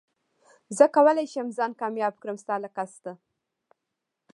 زه کولي شم ځان کامياب کړم ستا له قصده